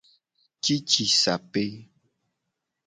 Cicisape.